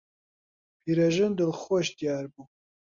پیرەژن دڵخۆش دیار بوو.